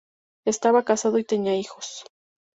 Estaba casado y tenía hijos.